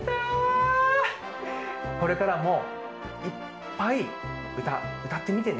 これからもいっぱいうたうたってみてね。